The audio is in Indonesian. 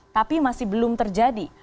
tapi masih belum terjadi